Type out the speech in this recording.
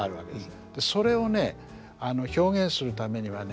それをね表現するためにはね